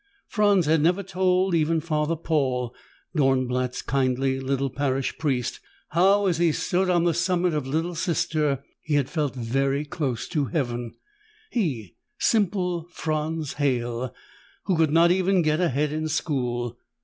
Franz had never told even Father Paul, Dornblatt's kindly little parish priest, how, as he stood on the summit of Little Sister, he had felt very close to Heaven he, simple Franz Halle who could not even get ahead in school.